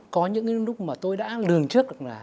có những cái lúc mà tôi đã lường trước